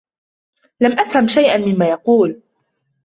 لم أفهم شيئا مما يقول